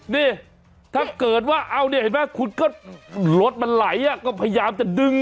นี่ถ้าเกิดว่าเอาเนี่ยเห็นไหมคุณก็รถมันไหลก็พยายามจะดึง